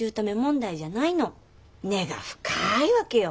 根が深いわけよ。